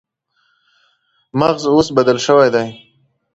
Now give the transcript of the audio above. مغز اوس بدل شوی دی.